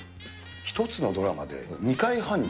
１つのドラマで、２回犯人？